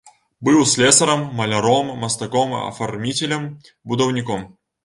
Быў слесарам, маляром, мастаком-афарміцелем, будаўніком.